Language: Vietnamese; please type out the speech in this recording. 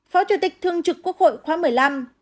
phó chủ tịch thương trực quốc hội khóa một mươi năm